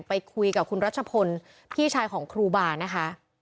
ไปคุยกับคุณรัชพลพี่ชายของครูบานะคะ